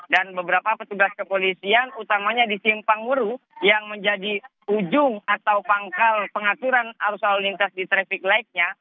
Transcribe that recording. dan beberapa petugas kepolisian utamanya di simpangmuru yang menjadi ujung atau pangkal pengaturan arus lalu lintas di traffic light nya